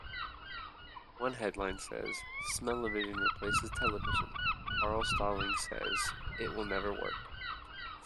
One headline says, Smellevision Replaces Television: Carl Stalling Sez It Will Never Work!